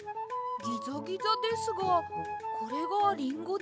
ギザギザですがこれがリンゴですか？